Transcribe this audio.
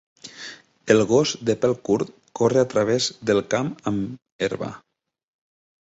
El gos de pèl curt corre a través del camp amb herba.